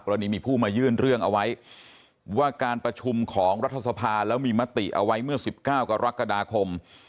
รณีมีผู้มายื่นเรื่องเอาไว้ว่าการประชุมของรัฐสภาแล้วมีมติเอาไว้เมื่อ๑๙กรกฎาคม